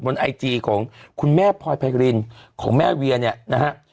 ไอจีของคุณแม่พลอยไพรินของแม่เวียเนี่ยนะฮะ